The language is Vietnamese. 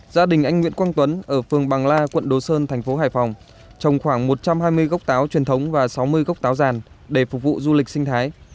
gia đình anh nguyễn quang tuấn ở phường bằng la quận đồ sơn thành phố hải phòng trồng khoảng một trăm hai mươi gốc táo truyền thống và sáu mươi gốc táo ràn để phục vụ du lịch sinh thái